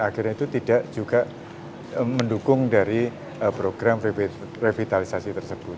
akhirnya itu tidak juga mendukung dari program revitalisasi tersebut